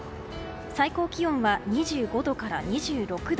最高気温は２５度から２６度。